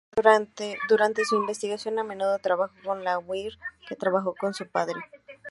Durante su investigación, a menudo trabajó con Langmuir, que trabajó con su padre.